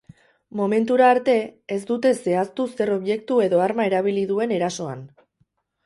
Momentura arte, ez dute zehaztu zer objektu edo arma erabili duen erasoan.